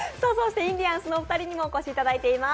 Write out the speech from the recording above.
インディアンスのお二人にもお越しいただいています。